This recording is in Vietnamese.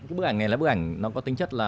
cái bức ảnh này là bức ảnh nó có tính chất là